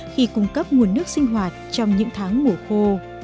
khi cung cấp nguồn nước sinh hoạt trong những tháng mùa khô